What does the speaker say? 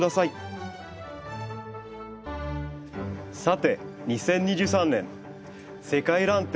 さて２０２３年世界らん展